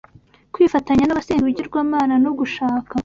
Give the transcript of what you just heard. Kwifatanya n’abasenga ibigirwamana no gushaka